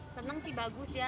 senang sih bagus ya